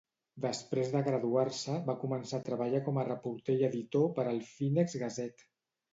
Després de graduar-se, va començar a treballar com a reporter i editor per al "Phoenix Gazette".